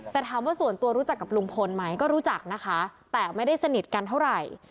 แต่ถามว่าส่วนตัวรู้จักกับลุงพลไหมก็รู้จักนะคะแต่ไม่ได้สนิทกันเท่าไหร่